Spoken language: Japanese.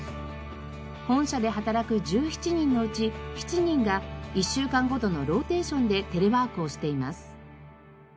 本社で働く１７人のうち７人が１週間ごとのローテーションでテレワークをしています。